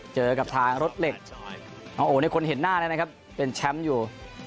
เจอกับทางรถเหล็กน้องโอในคนเห็นหน้าแล้วนะครับเป็นแชมป์อยู่